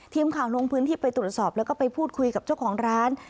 ทีมข่าวลงพื้นที่ไปตรวจสอบแล้วก็ไปพูดคุยกับเจ้าของร้าน